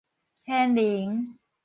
天能